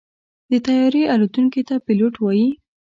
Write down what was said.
د طیارې الوتونکي ته پيلوټ وایي.